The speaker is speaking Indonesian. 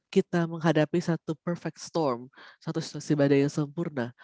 kita menghadapi satu perfect storem satu susi badai yang sempurna